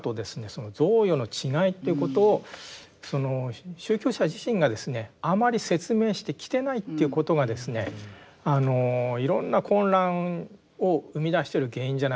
その贈与の違いということをその宗教者自身がですねあまり説明してきてないということがですねいろんな混乱を生み出してる原因じゃないかと。